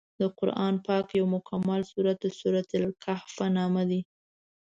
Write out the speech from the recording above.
د قران پاک یو مکمل سورت د سورت الکهف په نامه دی.